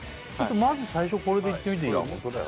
まず最初これでいってみていい？